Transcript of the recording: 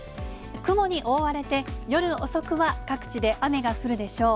雲に覆われて、夜遅くは各地で雨が降るでしょう。